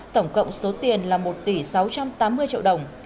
tổng cộng số tiền là một tỷ sáu trăm tám mươi triệu đồng